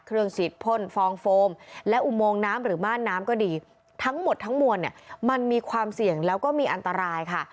ฉีดพ่นฟองโฟมและอุโมงน้ำหรือม่านน้ำก็ดีทั้งหมดทั้งมวลเนี่ยมันมีความเสี่ยงแล้วก็มีอันตรายค่ะ